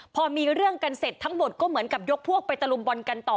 พอมีเรื่องกันเสร็จทั้งหมดก็เหมือนกับยกพวกไปตะลุมบอลกันต่อ